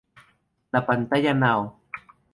La pantalla Now!